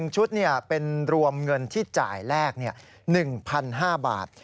ชุดเป็นรวมเงินที่จ่ายแรก๑๕๐๐บาท